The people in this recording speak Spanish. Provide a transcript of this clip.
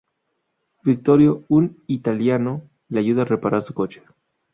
Vittorio, un italiano, le ayuda a reparar su coche.